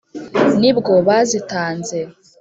ni bwo bazitanze,